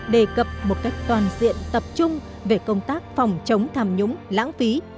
đề cập một cách toàn diện tập trung về công tác phòng chống tham nhũng lãng phí